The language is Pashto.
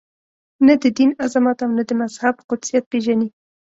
نه د دین عظمت او نه د مذهب قدسیت پېژني.